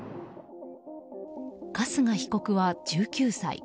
春日被告は、１９歳。